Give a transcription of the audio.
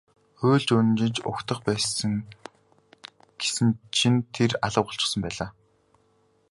Уйлж унжиж угтах байх гэсэн чинь тэр алга болчихсон байлаа.